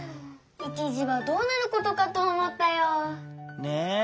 いちじはどうなることかとおもったよ。ね。